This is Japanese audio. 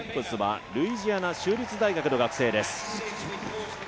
ルイジアナ州立大学の学生です。